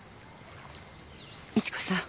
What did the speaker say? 美知子さん。